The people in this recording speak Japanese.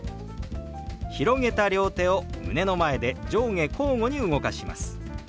広げた両手を胸の前で上下交互に動かします。